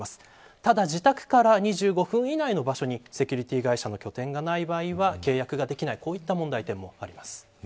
ただ、自宅から２５分以内の場所にセキュリティー会社の拠点がない場合は契約ができないという問題点もあります。